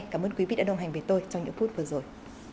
cảm ơn quý vị đã đồng hành với tôi trong những phút vừa rồi